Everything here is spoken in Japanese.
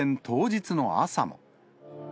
当日の朝も。